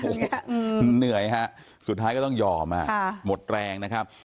เหนื่อยค่ะสุดท้ายก็ต้องยอมอะหมดแรงนะครับ